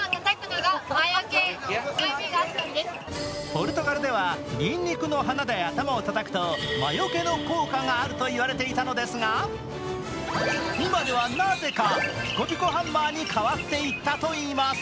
ポルトガルでは、にんにくの花で頭をたたくと魔除けの効果があると言われていたのですが、今ではなぜかピコピコハンマーに変わっていったといいます。